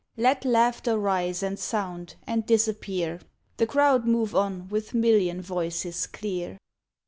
Let laughter rise and sound and disappear; The crowd move on with million voices clear.